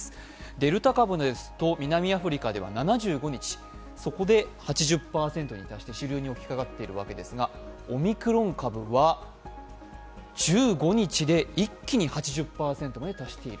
デルタ株ですと、南アフリカでは７５日、そこで８０％に主流に達しているんですが、オミクロン株は１５日で一気に８０％に達している。